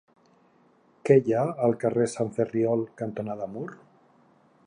Què hi ha al carrer Sant Ferriol cantonada Mur?